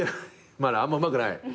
まだあんまうまくない。